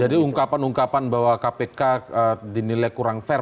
jadi ungkapan ungkapan bahwa kpk dinilai kurang fair